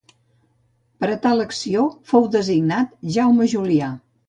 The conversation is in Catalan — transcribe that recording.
Per a tal acció fou designat Jaume Julià.